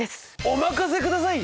お任せください！